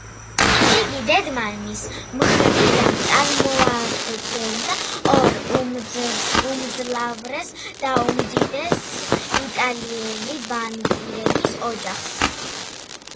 იგი დედ-მამის მხრიდან წარმოადგენდა ორ უმძლავრეს და უმდიდრეს იტალიელი ბანკირების ოჯახს.